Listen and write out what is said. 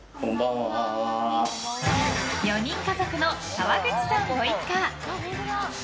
４人家族の川口さんご一家。